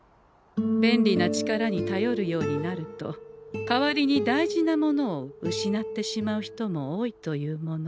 便利な力にたよるようになると代わりに大事なものを失ってしまう人も多いというもの。